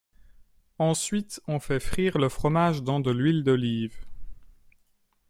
Ensuite, on fait frire le fromage dans de l’huile d'olive.